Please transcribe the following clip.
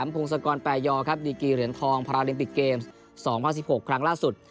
ภูมิสรรความปรายยอดครับดีกรีเหรียญทองพาราลิปิกเกม๒๑๖ครั้งล่าสุด